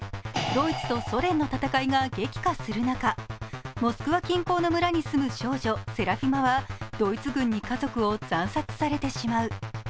ドイツとソ連の戦いが激化する中モスクワ近郊の村に住む少女、セラフィマはドイツ軍に家族を惨殺されてしまう。